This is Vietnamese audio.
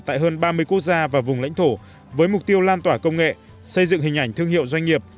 tại hơn ba mươi quốc gia và vùng lãnh thổ với mục tiêu lan tỏa công nghệ xây dựng hình ảnh thương hiệu doanh nghiệp